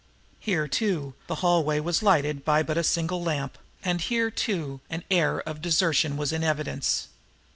Here, too, the hallway was lighted by but a single lamp; and here, too, an air of desertion was in evidence.